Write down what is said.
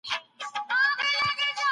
که هڅه ونه کړې نو بريا به ترلاسه نه کړې.